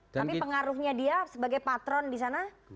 tapi pengaruhnya dia sebagai patron di sana